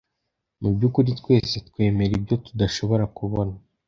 Mu by’ukuri twese twemera ibyo tudashobora kubona.